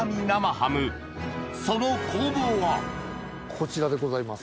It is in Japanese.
こちらでございます。